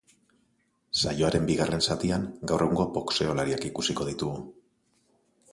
Saioaren bigarren zatian, gaur egungo boxeolariak ikusiko ditugu.